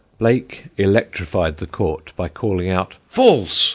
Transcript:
'" Blake electrified the court by calling out "False!"